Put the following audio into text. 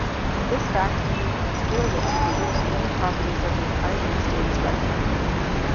This fact can be exploited to deduce many properties of the eigenstate spectrum.